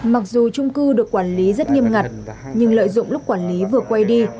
mặc dù trung cư được quản lý rất nghiêm ngặt nhưng lợi dụng lúc quản lý vừa quay đi